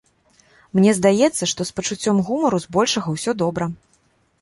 Мне здаецца, што з пачуццём гумару збольшага ўсё добра.